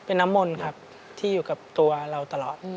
เป็นน้ำมนต์ครับที่อยู่กับตัวเราตลอด